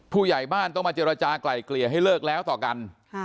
ผู้ใหญ่บ้านต้องมาเจรจากลายเกลี่ยให้เลิกแล้วต่อกัน